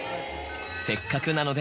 せっかくのなので。